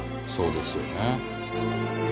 そうですよね。